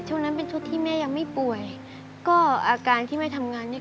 นั้นเป็นชุดที่แม่ยังไม่ป่วยก็อาการที่ไม่ทำงานเนี้ย